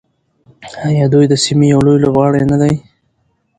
آیا دوی د سیمې یو لوی لوبغاړی نه دی؟